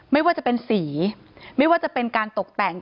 ไม่ว่าจะเป็นสีไม่ว่าจะเป็นการตกแต่ง